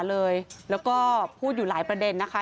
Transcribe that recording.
แล้วก็พูดอยู่หลายประเด็นนะคะ